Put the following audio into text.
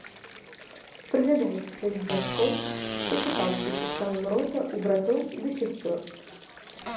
Прыгадайце сваіх бацькоў, пацікаўцеся станам рота ў братоў ды сясцёр.